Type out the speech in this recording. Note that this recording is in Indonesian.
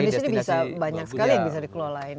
dan di sini bisa banyak sekali yang bisa dikelola ini